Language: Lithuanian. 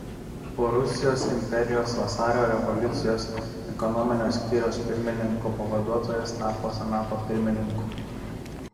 Po Rusijos imperijos Vasario revoliucijos Ekonominio skyriaus pirmininko pavaduotojas tapo Senato pirmininku.